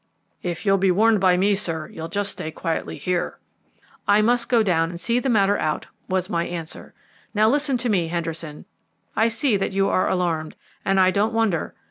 "If you'll be warned by me, sir, you'll just stay quietly here." "I must go down and see the matter out," was my answer. "Now listen to me, Henderson. I see that you are alarmed, and I don't wonder.